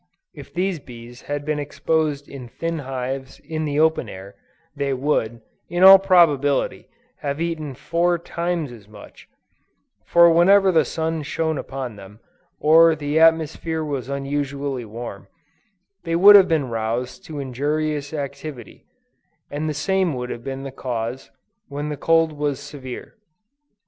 If these bees had been exposed in thin hives in the open air, they would, in all probability, have eaten four times as much; for whenever the sun shone upon them, or the atmosphere was unusually warm, they would have been roused to injurious activity, and the same would have been the case, when the cold was severe.